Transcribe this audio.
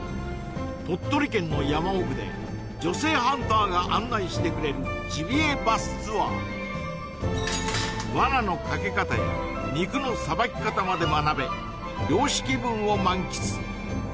鳥取県の山奥で女性ハンターが案内してくれるジビエバスツアーワナのかけ方や肉のさばき方まで学べ猟師気分を満喫